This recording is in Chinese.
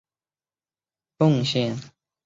以其在计量史学领域的贡献而闻名。